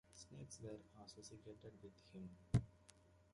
Snakes were associated with him.